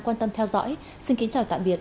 quan tâm theo dõi xin kính chào tạm biệt